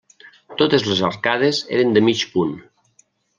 Totes les arcades eren de mig punt.